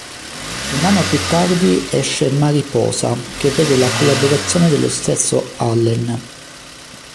Un anno più tardi esce "Mariposa" che vede la collaborazione dello stesso Allen.